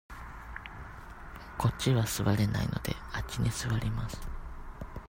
こっちは座れないので、あっちに座ります。